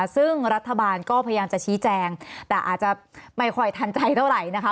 ซึ่งรัฐบาลก็พยายามจะชี้แจงแต่อาจจะไม่ค่อยทันใจเท่าไหร่นะคะ